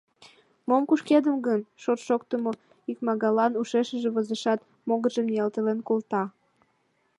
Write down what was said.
— Мом кушкедым гын? — шорт шоктымо икмагаллан ушешыже возешат, могыржым ниялтен колта.